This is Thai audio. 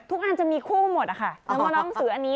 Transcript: ทุกอันจะมีคู่หมดค่ะนึกว่าน้องซื้ออันนี้